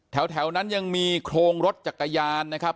แถวนั้นยังมีโครงรถจักรยานนะครับ